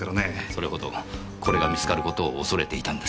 それほどこれが見つかることを恐れていたんですよ。